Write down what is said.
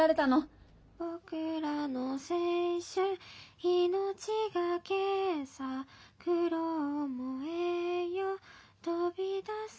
「僕らの青春命がけさ苦労も栄養飛び出すぞ！！」